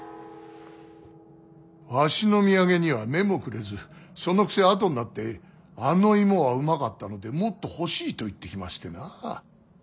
わしの土産には目もくれずそのくせあとになってあの芋はうまかったのでもっと欲しいと言ってきましてな。